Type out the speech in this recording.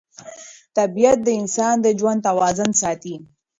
طبیعت د انسان د ژوند توازن ساتي